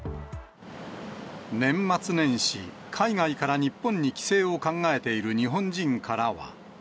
年末年始、海外から日本に帰省を考えている日本人からは。